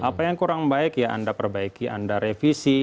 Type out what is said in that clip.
apa yang kurang baik ya anda perbaiki anda revisi